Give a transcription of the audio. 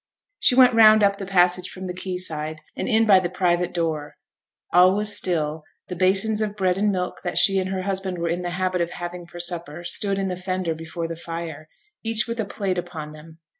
She went round up the passage from the quay side, and in by the private door. All was still; the basins of bread and milk that she and her husband were in the habit of having for supper stood in the fender before the fire, each with a plate upon them.